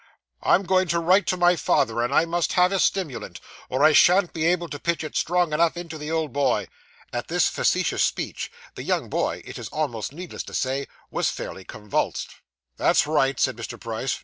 I'm going to write to my father, and I must have a stimulant, or I shan't be able to pitch it strong enough into the old boy.' At this facetious speech, the young boy, it is almost needless to say, was fairly convulsed. 'That's right,' said Mr. Price.